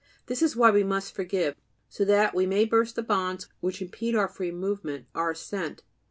This is why we must forgive: that so we may burst the bonds which impede our free movement, our ascent.